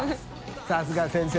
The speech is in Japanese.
さすが先生。